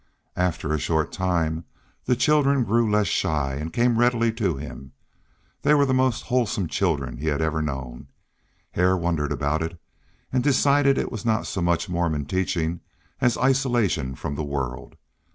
After a short time the children grew less shy and came readily to him. They were the most wholesome children he had ever known. Hare wondered about it, and decided it was not so much Mormon teaching as isolation from the world.